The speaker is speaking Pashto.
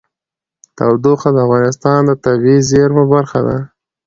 تودوخه د افغانستان د طبیعي زیرمو برخه ده.